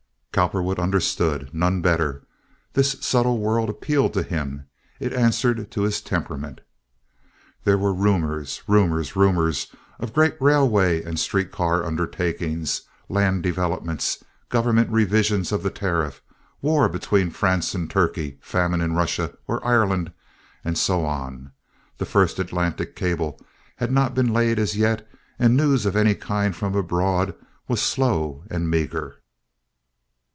Cowperwood understood—none better. This subtle world appealed to him. It answered to his temperament. There were rumors, rumors, rumors—of great railway and street car undertakings, land developments, government revision of the tariff, war between France and Turkey, famine in Russia or Ireland, and so on. The first Atlantic cable had not been laid as yet, and news of any kind from abroad was slow and meager.